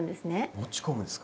持ち込むですか？